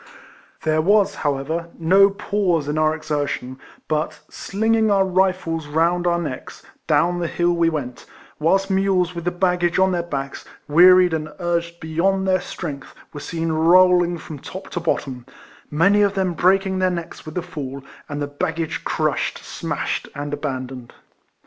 There was, however, no pause in our exertion, but, slinging our rifles round our necks, down the liill we went : whilst mules with the ba^jsfanre on their ba(*ks, wearied and urged beyond their strength, were seen rolling from top to bottom ; many of them breaking their necks with the fall, and the baggage crushed, smashed, and abandoned.